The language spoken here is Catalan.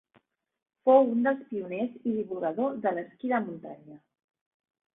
Fou un dels pioners i divulgador de l'esquí de muntanya.